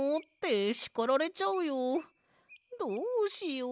どうしよう。